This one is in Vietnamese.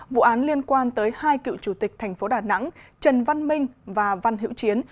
vụ án liên quan tới hai cựu chủ tịch thành phố đà nẵng trần văn minh và văn hiễu chiến